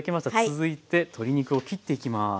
続いて鶏肉を切っていきます。